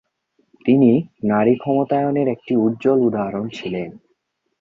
তিনি নারী ক্ষমতায়নের একটি উজ্জ্বল উদাহরণ ছিলেন।